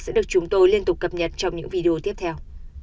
sẽ được chúng tôi liên tục cập nhật trong những video tiếp theo